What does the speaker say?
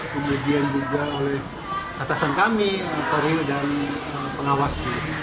kemudian juga oleh atasan kami perwira dan pengawas